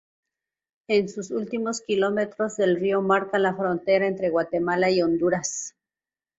En sus últimos kilómetros el río marca la frontera entre Guatemala y Honduras.